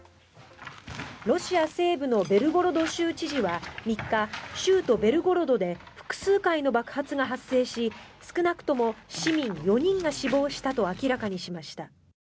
ロシア西部のベルゴロド州知事は３日州都ベルゴロドで複数回の爆発が発生し少なくとも市民４人が死亡したと明らかにしました。